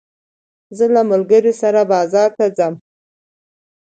زه له ملګري سره بازار ته ځم.